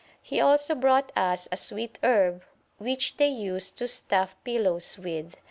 He also brought us a sweet herb which they use to stuff pillows with.